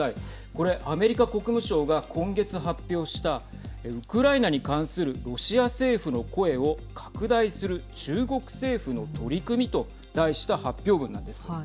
これアメリカ国務省が今月発表したウクライナに関するロシア政府の声を拡大する中国政府の取り組みと題した発表文なんです。